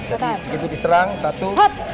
jadi begitu diserang satu